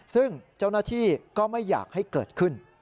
ซึ่งเจ้าหน้าที่ก็ไม่อยากให้เกิดขึ้น